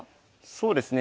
そうですね